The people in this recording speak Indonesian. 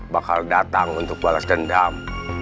bakal datang untuk balas dendam